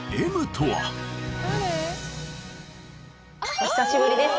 お久しぶりです